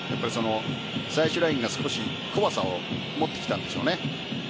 最終ラインが少し怖さを持ってきたんでしょうね。